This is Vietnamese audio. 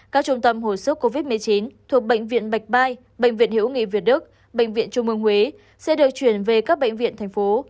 các trung tâm hồi sức covid một mươi chín thuộc bệnh viện bạch mai bệnh viện hiểu nghị việt đức bệnh viện trung mương huế sẽ được chuyển về các bệnh viện thành phố